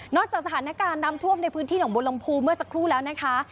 จากสถานการณ์น้ำท่วมในพื้นที่หนองบุรมภูเมื่อสักครู่แล้วนะคะ